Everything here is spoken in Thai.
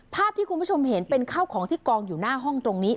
ภาพที่คุณผู้ชมเห็นเป็นข้าวของที่กองอยู่หน้าห้องตรงนี้